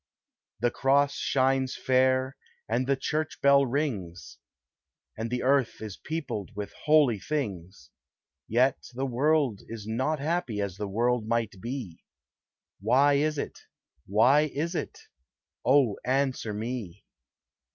The cross shines fair, and the church bell rings, And the earth is peopled with holy things; Yet the world is not happy, as the world might be, Why is it? why is it? Oh, answer me!